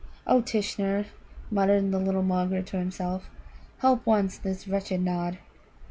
"O Tishnar," muttered the little Mulgar to himself, "help once this wretched Nod!"